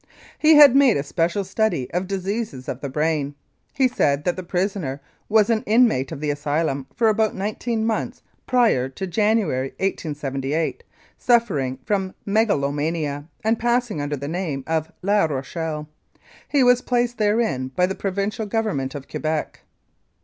He had made a special study of diseases of the brain. He said that the prisoner was an inmate of the asylum for about nineteen months prior to January, 1878, suffering from megalomania, and passing under the name of La Rochelle. He was placed therein by the Provincial Government of Quebec.